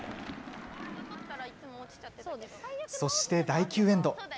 そして第９エンド。